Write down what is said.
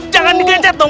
jangan di gencet dong